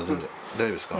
大丈夫ですか？